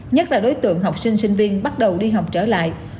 nhất là đối tượng học sinh sinh viên bắt đầu đi học trở lại